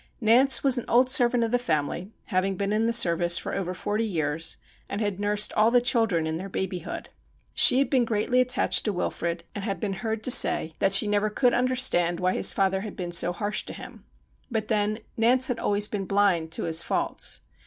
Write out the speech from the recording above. Nance was an old servant of the family, having been in the service for over forty years, and had nursed all the chil dren in their babyhood. She had been greatly attached to Wilfrid, and had been heard to say that she never could no STORIES WEIRD AND WONDERFUL understand why his father had been so harsh to him. But then Nance had always been blind to his faults.